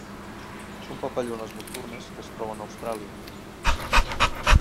Són papallones nocturnes que es troben a Austràlia.